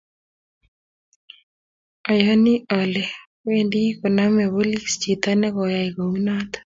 oyoni ale wendi konomei polis chito nekoyai kou noto